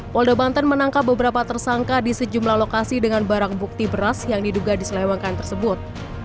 polda banten menangkap beberapa tersangka di sejumlah lokasi dengan barang bukti beras yang diduga diselewangkan tersebut